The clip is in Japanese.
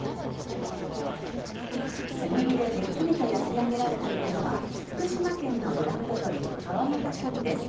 炭火でじっくりと焼き上げられているのは福島県のブランド鶏川俣シャモです。